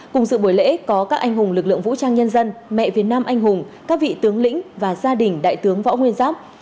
cùng sự buổi lễ có các anh hùng lực lượng vũ trang nhân dân mẹ việt nam anh hùng các vị tướng lĩnh và gia đình đại tướng võ nguyên giáp